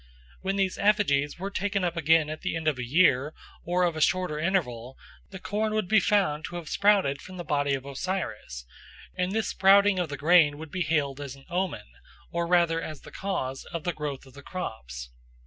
When these effigies were taken up again at the end of a year or of a shorter interval, the corn would be found to have sprouted from the body of Osiris, and this sprouting of the grain would be hailed as an omen, or rather as the cause, of the growth of the crops.